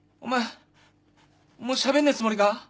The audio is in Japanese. お前もうしゃべんねえつもりか？